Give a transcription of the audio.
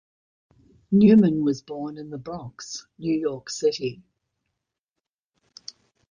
Newman was born in the Bronx, New York City.